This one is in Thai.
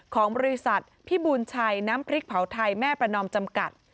ของบริษัทพี่บูลชัยน้ำพริกเผาไทยแม่ประนอมจำกัด